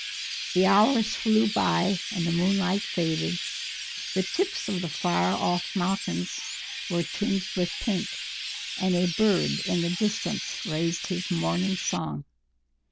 The hours flew by and the moonlight faded; the tips of the far off mountains were tinged with pink, and a Bird in the distance raised his morning song.